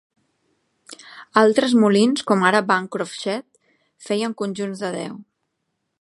Altres molins, com ara Bancroft Shed, feien conjunts de deu.